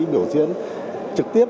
biểu diễn trực tiếp